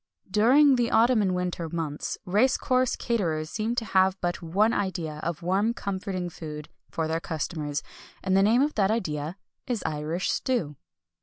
During the autumn and winter months, race course caterers seem to have but one idea of warm comforting food for their customers, and the name of that idea is Irish stew.